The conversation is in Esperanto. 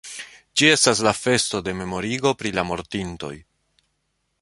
Ĝi estas la festo de memorigo pri la mortintoj.